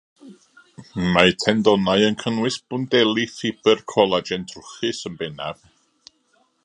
Mae tendonau yn cynnwys bwndeli ffibr colagen trwchus yn bennaf.